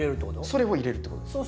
それを入れるってことです。